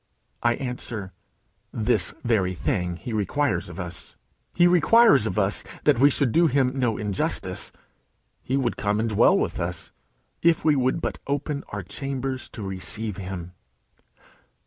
I answer, "This very thing he requires of us." He requires of us that we should do him no injustice. He would come and dwell with us, if we would but open our chambers to receive him.